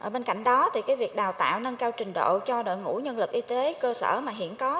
bên cạnh đó thì cái việc đào tạo nâng cao trình độ cho đội ngũ nhân lực y tế cơ sở mà hiện có